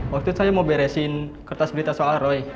waktu itu saya mau beresin kertas berita soal roy